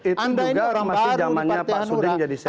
itu juga masih zamannya pak suding jadi sek